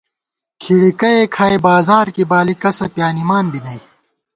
کھِڑِکَئے کھائی بازار کی بالی، کسہ پیانِمان بی نئ